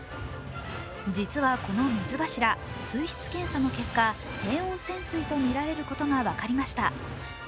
実は、この水柱、水質検査の結果、低温泉水とみられることが分かりました。